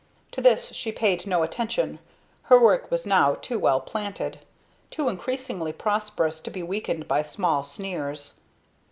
To this she paid no attention; her work was now too well planted, too increasingly prosperous to be weakened by small sneers.